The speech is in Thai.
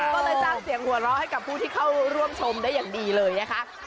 ก็เลยสร้างเสียงหัวเราะให้กับผู้ที่เข้าร่วมชมได้อย่างดีเลยนะคะ